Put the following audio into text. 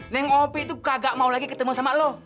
neng opi tuh kagak mau lagi ketemu sama lo